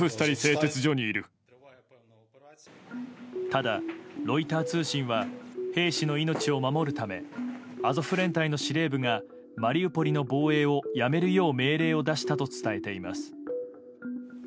ただ、ロイター通信は兵士の命を守るためアゾフ連隊の司令部がマリウポリの防衛をやめるよう命令を出したと伝えています。